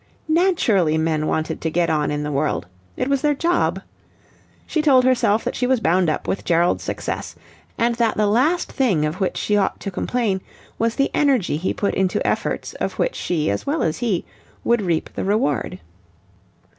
Naturally men wanted to get on in the world. It was their job. She told herself that she was bound up with Gerald's success, and that the last thing of which she ought to complain was the energy he put into efforts of which she as well as he would reap the reward.